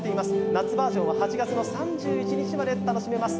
夏バージョンは８月３１日まで楽しめます。